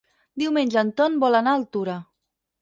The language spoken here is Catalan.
Diumenge en Ton vol anar a Altura.